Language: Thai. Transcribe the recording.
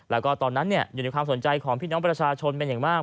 แล้วก็ตอนนั้นอยู่ในความสนใจของพี่น้องประชาชนเป็นอย่างมาก